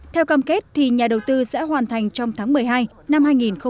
theo cam kết thì nhà đầu tư sẽ hoàn thành trong tháng một mươi hai năm hai nghìn hai mươi